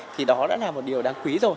thì đó đã là một điều đáng quý rồi